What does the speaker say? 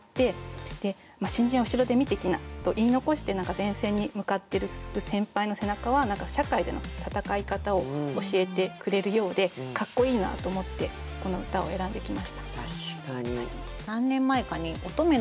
「新人は後ろで見ておきな」と言い残して前線に向かってる先輩の背中は社会での戦い方を教えてくれるようでかっこいいなと思ってこの歌を選んできました。